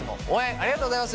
ありがとうございます！